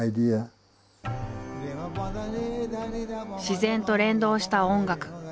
自然と連動した音楽。